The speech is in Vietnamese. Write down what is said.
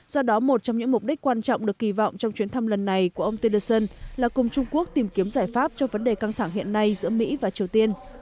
do đó một trong những mục đích quan trọng được kỳ vọng trong chuyến thăm lần này của ông tederson là cùng trung quốc tìm kiếm giải pháp cho vấn đề căng thẳng hiện nay giữa mỹ và triều tiên